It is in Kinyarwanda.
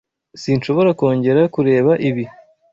Sinshobora kongera kureba ibi.